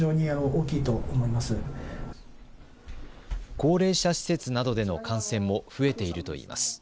高齢者施設などでの感染も増えているといいます。